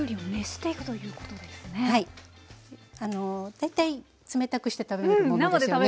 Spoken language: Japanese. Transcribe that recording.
大体冷たくして食べるものですよね。